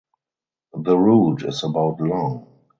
The route is about long.